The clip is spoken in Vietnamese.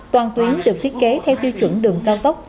toàn tuyến được thiết kế theo tiêu chuẩn đường cao tốc